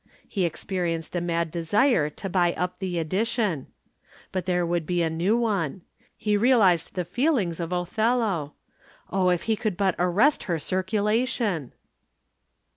He experienced a mad desire to buy up the edition. But there would be a new one. He realized the feelings of Othello. Oh, if he could but arrest her circulation!